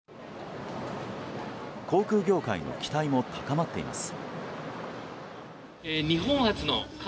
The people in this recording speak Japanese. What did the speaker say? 航空業界の期待も高まっています。